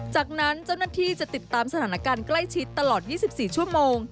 จากนั้นเจ้าหน้าที่จะติดตามสถานการณ์ใกล้ชิดตลอด๒๔ชั่วโมง